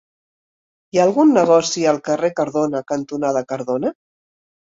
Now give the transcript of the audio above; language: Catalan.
Hi ha algun negoci al carrer Cardona cantonada Cardona?